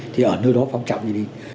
thì ở nơi đó phóng trọng gì đi